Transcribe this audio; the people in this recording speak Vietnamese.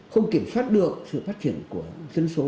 không kiểm soát được sự phát triển của dân số